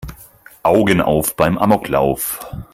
Augen auf beim Amoklauf!